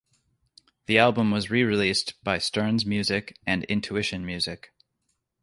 The album was re-released by Stern's Music and Intuition Music.